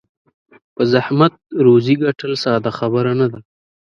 په زحمت روزي ګټل ساده خبره نه ده.